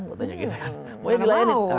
mau yang dilayanin